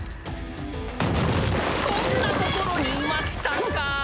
こんなところにいましたか！